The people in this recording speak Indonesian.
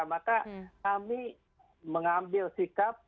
maka kami mengambil sikap